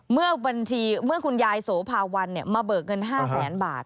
เมื่อคุณยายโสภาวันมาเบิกเงิน๕แสนบาท